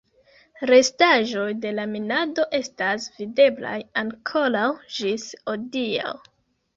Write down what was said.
Restaĵoj de la minado estas videblaj ankoraŭ ĝis hodiaŭ.